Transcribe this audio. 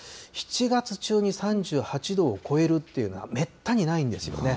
７月中に３８度を超えるっていうのは、めったにないんですよね。